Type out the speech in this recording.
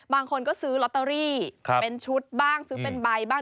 บางคนก็ซื้อลอตเตอรี่เป็นชุดบ้างซื้อเป็นใบบ้าง